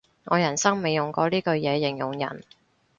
我人生未用過呢句嘢形容人